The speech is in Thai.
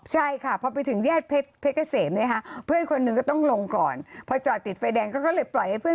ใช่ค่ะพอไปถึงแยศ่เพชรเพชรเกษรเนี่ย